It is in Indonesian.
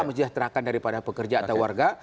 mesti dihajarkan daripada pekerja atau warga